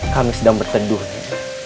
kami sedang berteduh nenek